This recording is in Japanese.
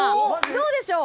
どうでしょう。